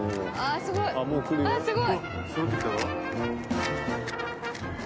すごい。